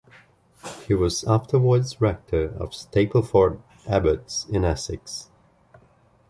He was afterwards Rector of Stapleford Abbotts in Essex.